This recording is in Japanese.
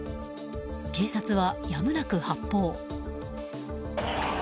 警察は、やむなく発砲。